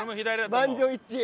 満場一致。